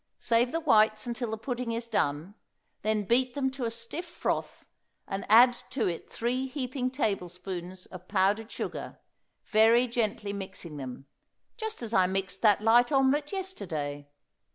Save the whites until the pudding is done, then beat them to a stiff froth and add to it three heaping tablespoons of powdered sugar, very gently mixing them, just as I mixed that light omelette yesterday.